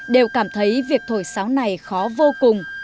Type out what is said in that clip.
đều cảm thấy việc thổi sáo này khó vô cùng